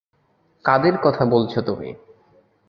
কাদের কথা বলছ তুমি?